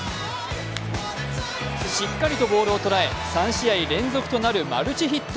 しっかりとボールを捉え３試合連続となるマルチヒット。